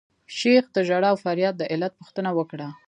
شیخ د ژړا او فریاد د علت پوښتنه وکړه.